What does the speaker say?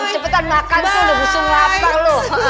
cepetan makan tuh udah busuk lapar lu